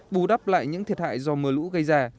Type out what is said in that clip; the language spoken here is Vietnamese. bù đắp lại những thiệt hại do mưa lũ gây ra